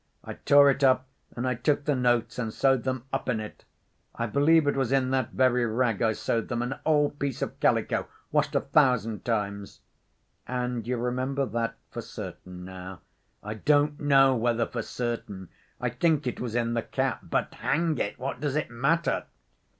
I tore it up, and I took the notes and sewed them up in it. I believe it was in that very rag I sewed them. An old piece of calico, washed a thousand times." "And you remember that for certain now?" "I don't know whether for certain. I think it was in the cap. But, hang it, what does it matter?"